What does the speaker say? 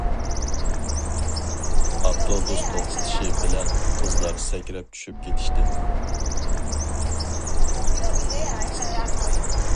ئاپتوبۇس توختىشى بىلەن قىزلار سەكرەپ چۈشۈپ كېتىشتى.